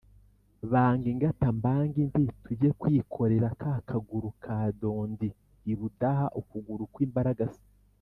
Banga ingata mbange indi tujye kwikorera ka kaguru ka Dondi i Budaha-Ukuguru kw'imbaragasa.